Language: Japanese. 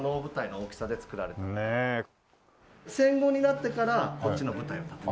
戦後になってからこっちの舞台を建てた。